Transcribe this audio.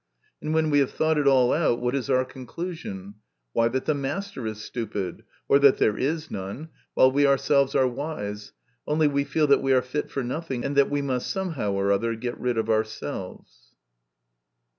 And when we have thought it all out, what is our conclu sion ? Why, that the master is stupid, or that there is none, while we ourselves are wise, only we feel that we are fit for nothing, and that we must somehow or other get rid of ourselves.